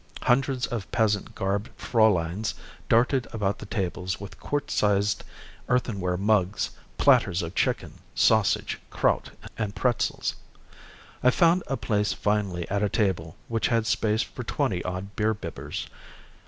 Hundreds of peasant garbed fräuleins darted about the tables with quart sized earthenware mugs, platters of chicken, sausage, kraut and pretzels. I found a place finally at a table which had space for twenty odd beer bibbers.